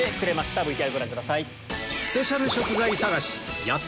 ＶＴＲご覧ください。